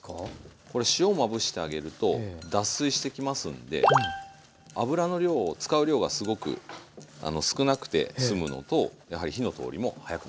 これ塩をまぶしてあげると脱水してきますんで油の量を使う量がすごく少なくて済むのとやはり火の通りも早くなります。